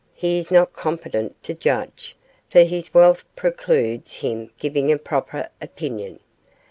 He is not competent to judge, for his wealth precludes him giving a proper opinion.